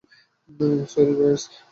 Sorry, boys.